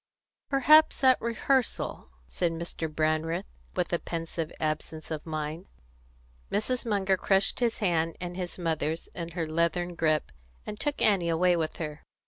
"Perhaps at rehearsal," said Mr. Brandreth, with a pensive absence of mind. Mrs. Munger crushed his hand and his mother's in her leathern grasp, and took Annie away with her.